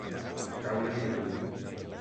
Caure-li a l'ull.